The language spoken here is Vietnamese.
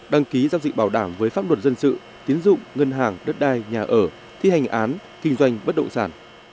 đăng ký giao dịch bảo đảm với pháp luật dân sự tiến dụng ngân hàng đất đai nhà ở thi hành án kinh doanh bất động sản